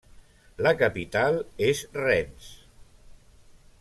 La capital és Rennes.